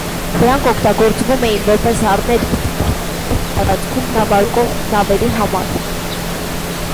Դրանք օգտագործվում էին որպես առնետ բռնողներ այդ տարածքում նավարկող նավերի վրա։